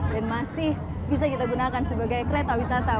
dan masih bisa kita gunakan sebagai kereta wisata